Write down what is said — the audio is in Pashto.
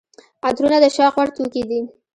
عطرونه د شوق وړ توکي دي.